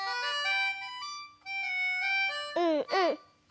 うんうん。